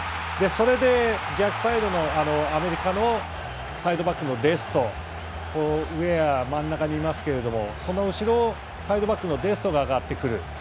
それで、逆サイドのアメリカのサイドバックのデスト、ウェア真ん中にいますがその後ろをサイドバックのデストが上がってくる。